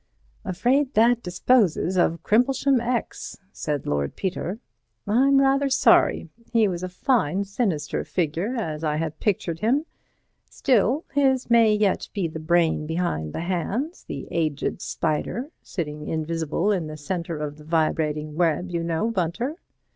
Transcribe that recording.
"Afraid that disposes of Crimplesham X," said Lord Peter. "I'm rather sorry; he was a fine sinister figure as I had pictured him. Still, his may yet be the brain behind the hands—the aged spider sitting invisible in the centre of the vibrating web, you know, Bunter."